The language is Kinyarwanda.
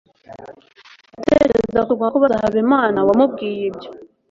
Ndatekereza ko tugomba kubaza Habimana wamubwiye ibyo.